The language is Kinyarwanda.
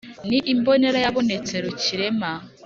ni imbonera yabonetse rukirema;